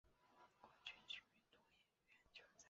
国军全面动员救灾